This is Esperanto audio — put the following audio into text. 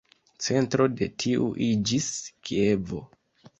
Centro de tiu iĝis Kievo.